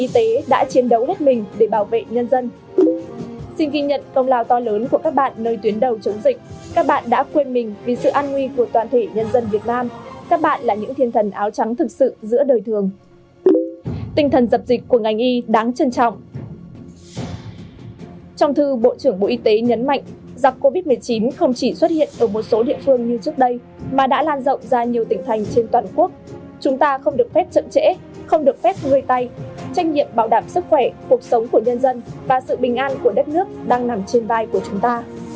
trách nhiệm bảo đảm sức khỏe cuộc sống của nhân dân và sự bình an của đất nước đang nằm trên vai của chúng ta